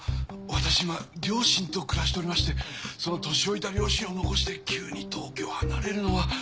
私は両親と暮らしておりましてその年老いた両親を残して急に東京を離れるのは。